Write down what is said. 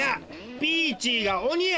ピーチーがおにや！